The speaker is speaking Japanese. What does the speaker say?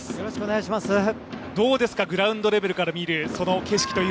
どうですか、グラウンドレベルから見る景色は。